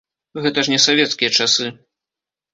Гэта ж не савецкія часы.